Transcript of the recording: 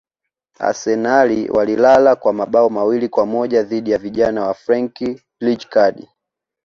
arsenal walilala kwa mabao mawili kwa moja dhidi ya vijana wa frank rijkard